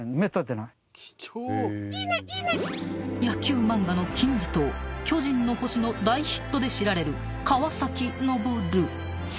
［野球漫画の金字塔『巨人の星』の大ヒットで知られる川崎のぼる］